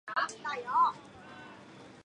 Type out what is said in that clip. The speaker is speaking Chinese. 风暴也令数个机场被迫关闭。